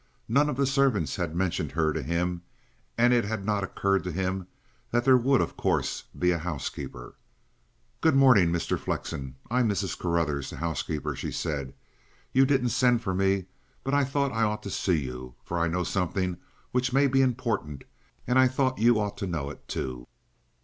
None of the servants had mentioned her to him, and it had not occurred to him that there would of course be a housekeeper. "Good morning, Mr. Flexen. I'm Mrs. Carruthers, the housekeeper," she said. "You didn't send for me. But I thought I ought to see you, for I know something which may be important, and I thought you ought to know it, too."